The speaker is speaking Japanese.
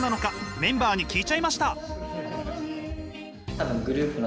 メンバーに聞いちゃいました。